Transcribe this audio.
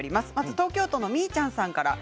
東京都の方です。